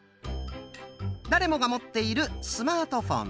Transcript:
誰もが持っているスマートフォン。